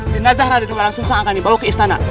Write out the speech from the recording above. jenazah raden walang sungsang akan dibawa ke istana